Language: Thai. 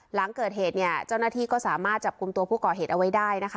หลังเกิดเหตุเนี่ยเจ้าหน้าที่ก็สามารถจับกลุ่มตัวผู้ก่อเหตุเอาไว้ได้นะคะ